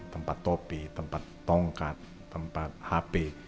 tempat topi tempat tongkat tempat hp